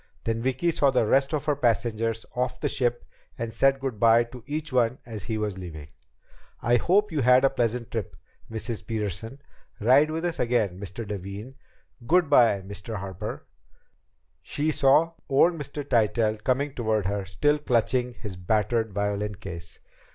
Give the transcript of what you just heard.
Then Vicki saw the rest of her passengers off the ship and said good by to each one as he was leaving. "I hope you had a pleasant trip, Mrs. Peterson. Ride with us again, Mr. Levin. Good by, Mr. Harper." She saw old Mr. Tytell coming toward her, still clutching his battered violin case.